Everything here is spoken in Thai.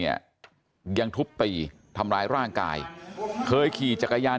เนี่ยยังทุบตีทำร้ายร่างกายเคยขี่จักรยาน